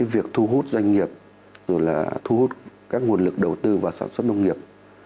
việc thu hút doanh nghiệp thu hút các nguồn lực đầu tư và sản xuất nông nghiệp